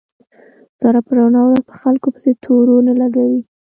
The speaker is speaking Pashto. ساره په رڼا ورځ په خلکو پسې تورو نه لګوي.